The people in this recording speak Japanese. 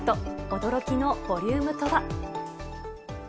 驚きのボリュームとは。